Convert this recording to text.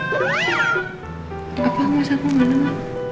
apa masa aku gak denger